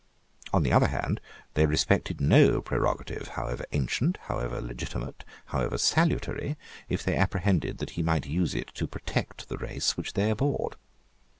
On the other hand, they respected no prerogative, however ancient, however legitimate, however salutary, if they apprehended that he might use it to protect the race which they abhorred.